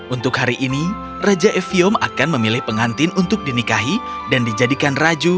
untuk hari ini raja evium akan memilih pengantin untuk dinikahi dan dijadikan raju